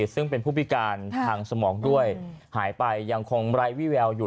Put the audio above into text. ซึ่งเป็นผู้พิการทางสมองด้วยหายไปยังคงไร้วิแววอยู่